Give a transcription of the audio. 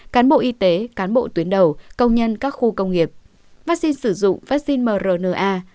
cán bộ y tế cán bộ tuyến đầu công nhân các khu công nghiệp vaccine sử dụng vaccine mrna